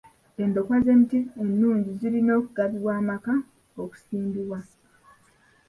Endokwa z'emiti ennungi zirina okugabirwa amaka okusimbibwa.